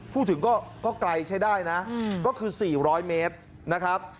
พูดถึงก็ไกลใช้ได้นะก็คือ๔๐๐เมตรนะครับ